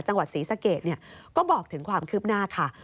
จังหวัดศรีสะเกดก็บอกถึงความคืบหน้าค่ะ